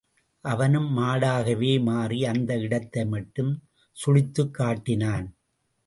அவனும் மாடாகவே மாறி, அந்த இடத்தை மட்டும் சுளித்துக் காட்டினான்.